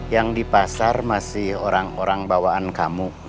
yang di pasar masih orang orang bawaan kamu